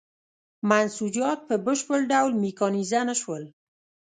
منسوجات په بشپړ ډول میکانیزه نه شول.